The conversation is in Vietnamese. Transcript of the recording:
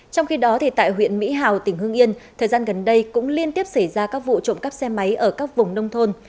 trong khi đó tại huyện mỹ hào tỉnh hương yên thời gian gần đây cũng liên tiếp xảy ra các vụ trộm cắp xe máy ở các vùng nông thôn